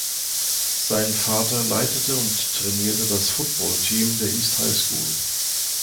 Sein Vater leitete und trainierte das Football-Team der East High School.